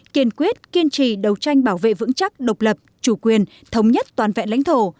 kiên quyết kiên trì đấu tranh bảo vệ vững chắc độc lập chủ quyền thống nhất toàn vẹn lãnh thổ